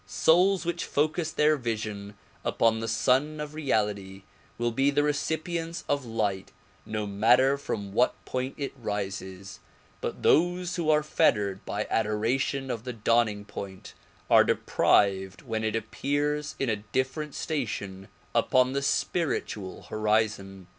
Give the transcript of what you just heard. Souls who focus their vision upon the Sun of Reality will be the recipients of light no matter from what point it rises, but those who are fet tered by adoration of the dawning point are deprived when it appears in a different station upon the spiritual horizon.